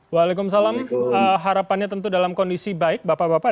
waalaikumsalam harapannya tentu dalam kondisi baik bapak bapak